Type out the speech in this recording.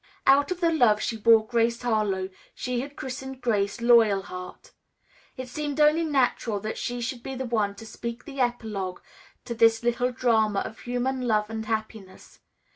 Out of the love she bore Grace Harlowe she had christened Grace, "Loyalheart." It seemed only natural that she should be the one to speak the epilogue to this little drama of human love and happiness.